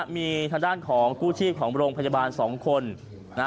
มีทางด้านของกู้ชีพของโรงพยาบาล๒คน